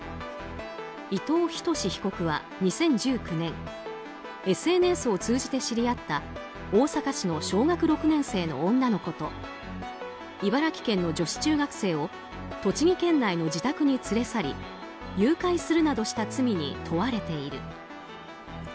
伊藤仁士被告は２０１９年ＳＮＳを通じて知り合った大阪市の小学６年生の女の子と茨城県の女子中学生を栃木県内の自宅に連れ去り誘拐するなどした罪に問われている。